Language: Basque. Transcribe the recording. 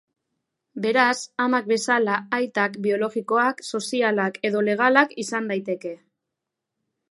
Beraz, amak bezala, aitak biologikoak, sozialak edo legalak izan daiteke.